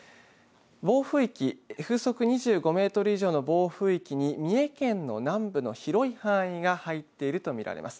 暴風域、風速２５メートル以上の暴風域に三重県の南部の広い範囲が入っていると見られます。